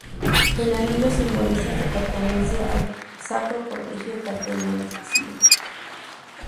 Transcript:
El anillo simboliza su pertenencia al Sacro Colegio cardenalicio.